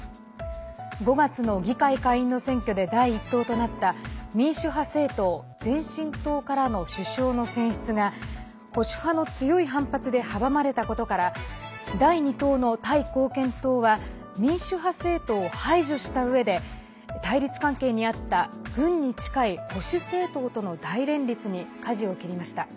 ５月の議会下院の選挙で第１党となった民主派政党前進党からの首相の選出が保守派の強い反発で阻まれたことから第２党のタイ貢献党は民主派政党を排除したうえで対立関係にあった軍に近い保守政党との大連立にかじを切りました。